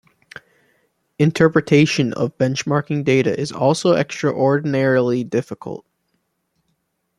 Interpretation of benchmarking data is also extraordinarily difficult.